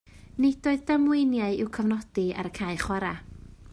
Nid oedd damweiniau i'w cofnodi ar y cae chwarae